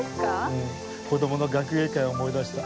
うん子供の学芸会を思い出した。